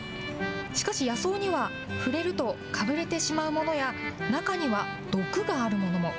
しかし、野草には触れるとかぶれてしまうものや、中には毒があるものも。